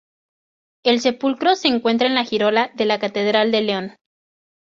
El sepulcro se encuentra en la girola de la Catedral de León.